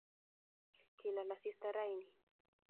kilal asista rauni